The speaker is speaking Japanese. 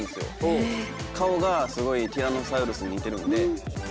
顔がすごいティラノサウルスに似てるんで。